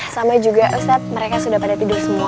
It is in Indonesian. sama juga ustadz mereka sudah pada tidur semua